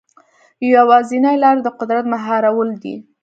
یوازینۍ لاره د قدرت مهارول دي.